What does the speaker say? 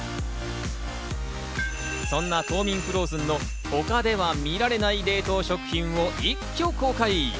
そんなトーミン・フローズンの他では見られない冷凍食品を一挙公開。